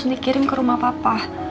dikirim ke rumah papa